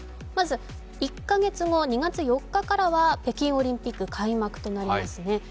まず、１カ月、２月４日からは北京オリンピック開幕となりますね。